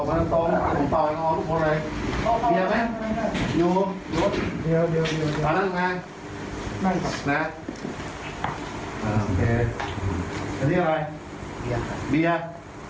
อันนี้อะไรเบียด